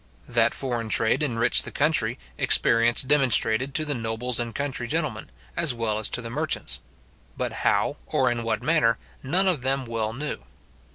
That foreign trade enriched the country, experience demonstrated to the nobles and country gentlemen, as well as to the merchants; but how, or in what manner, none of them well knew.